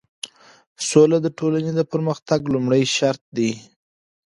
سوله د ټولنې د پرمختګ لومړی شرط دی.